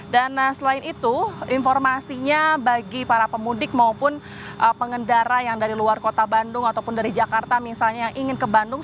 dan selain itu informasinya bagi para pemudik maupun pengendara yang dari luar kota bandung ataupun dari jakarta misalnya yang ingin ke bandung